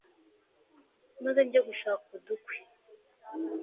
maze njye gushaka udukwi